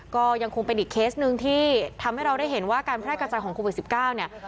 ก็ยังคงเป็นอีกเคสหนึ่งที่ทำให้เราได้เห็นว่าการแพร่กระจายของโควิด๑๙เนี่ย